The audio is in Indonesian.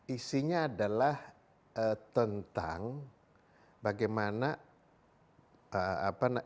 isinya adalah tentang bagaimana ekosistem olahraga ini